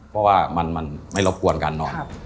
เพราะว่ามันไม่รบกวนกันเนอะ